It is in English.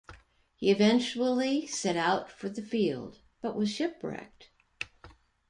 He eventually set out for the field, but was shipwrecked.